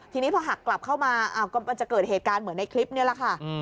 ทีนี้พอหักกลับเข้ามาก็มันจะเกิดเหตุการณ์เหมือนในคลิปนี้แหละค่ะ